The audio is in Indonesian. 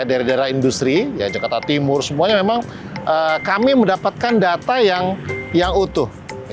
daerah daerah industri jakarta timur semuanya memang kami mendapatkan data yang utuh